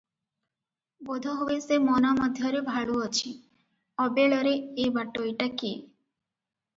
ବୋଧହୁଏ ସେ ମନ ମଧ୍ୟରେ ଭାଳୁଅଛି, ଅବେଳରେ ଏ ବାଟୋଇଟା କିଏ?